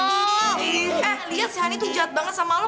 eh liat sih hany tuh jahat banget sama lo